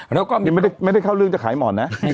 แล้วก็มีก็ไม่หรือไม่ได้เข้าเรื่องจะขายหมอนเนี่ย